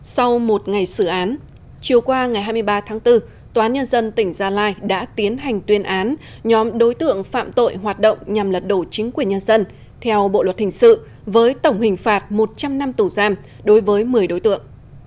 sau một ngày xử án chiều qua ngày hai mươi ba tháng bốn toán nhân dân tỉnh gia lai đã tiến hành tuyên án nhóm đối tượng phạm tội hoạt động nhằm lật đổ chính quyền nhân dân theo bộ luật hình sự với tổng hình phạt một trăm linh năm tù giam